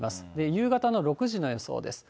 夕方の６時の予想です。